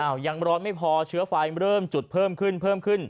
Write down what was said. ยังร้อนไม่พอเชื้อไฟเริ่มจุดเพิ่มขึ้นเพิ่มขึ้น